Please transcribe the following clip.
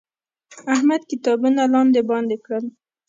احمد کتابونه لاندې باندې کړل.